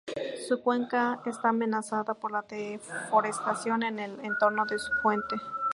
Su cuenca está amenazada por la deforestación en el entorno de su fuente.